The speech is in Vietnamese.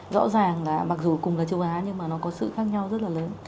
rõ ràng là mặc dù cùng với châu á nhưng mà nó có sự khác nhau rất là lớn